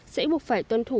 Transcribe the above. sẽ buộc phải tuân thủ